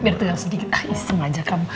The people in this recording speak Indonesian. biar tegang sedikit ah isim aja kamu